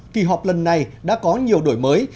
kỳ họp lần này đã có nhiều đổi mới